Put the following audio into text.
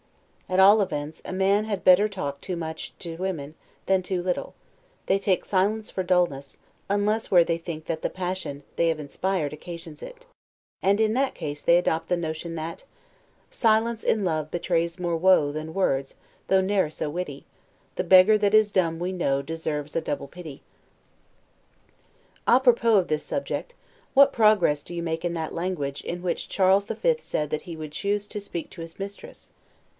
At all events, a man had better talk too much to women, than too little; they take silence for dullness, unless where they think that the passion they have inspired occasions it; and in that case they adopt the notion that Silence in love betrays more woe Than words, though ne'er so witty; The beggar that is dumb, we know, Deserves a double pity. 'A propos' of this subject: what progress do you make in that language, in which Charles the Fifth said that he would choose to speak to his mistress?